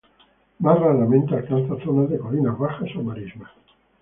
Más raramente alcanza zonas de colinas bajas o marismas.